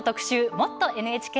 「もっとＮＨＫ」。